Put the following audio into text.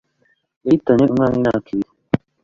yahitanye umwana wimyaka ibiri